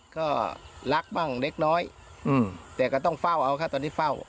ก็รักบ้างเล็กน้อยแต่ก็ต้องเฝ้าเอาค่ะตอนนี้เฝ้า